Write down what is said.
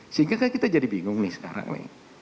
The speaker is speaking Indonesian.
sehingga kita jadi bingung nih sekarang